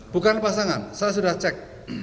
bukan lepas tangan saya sudah cek